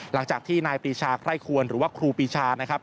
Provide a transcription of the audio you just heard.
หลังจากที่นายปรีชาไคร่ควรหรือว่าครูปีชานะครับ